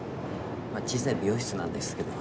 まあ小さい美容室なんですけど。